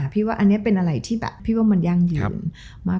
พี่ว่าอันนี้เป็นอะไรที่มันยังยืนมาก